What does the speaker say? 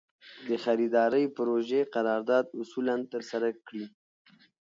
د خریدارۍ پروژې قرارداد اصولاً ترسره کړي.